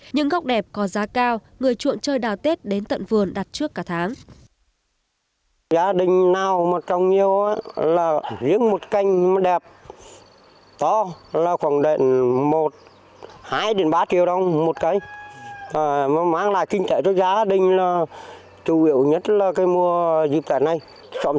những gốc đẹp có giá cao người chuộng chơi đào tết đến tận vườn đặt trước cả tháng